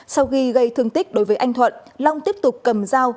sau khi gây thương tích đối với anh thuận long tiếp tục cầm dao